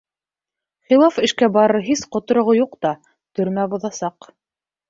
Хилаф эшкә барыр һис ҡотороғо юҡ та, төрмә боҙасаҡ.